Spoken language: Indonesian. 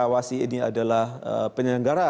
awasi ini adalah penyelenggara